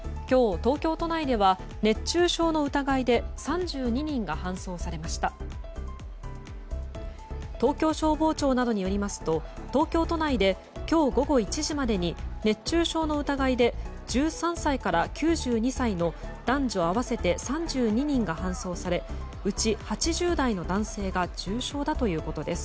東京消防庁などによりますと東京都内で今日午後１時までに熱中症の疑いで１３才から９２歳の男女合わせて３２人が搬送され、うち８０代の男性が重症だということです。